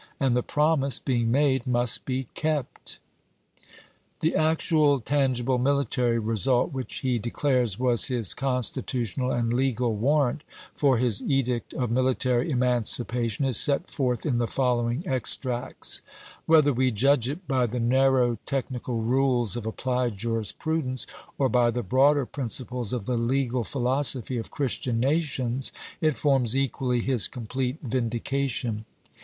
And the promise, being made, must be kept." THE EDICT OF FREEDOM 433 The actual tangible military result which he de chap. xix. clares was his constitutional and legal warrant for his edict of military emancipation is set forth in the following extracts. Whether we judge it by the narrow technical rules of applied jurisprudence, or by the broader pnnciples of the legal philosophy of Christian nations, it forms equally his complete vindication.